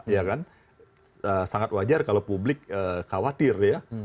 ya kan sangat wajar kalau publik khawatir ya